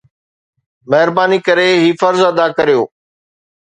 مهرباني ڪري هي فرض ادا ڪريو.